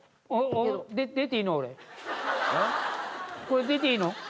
これ出ていいの？